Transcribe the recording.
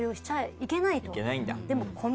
いけないんだ。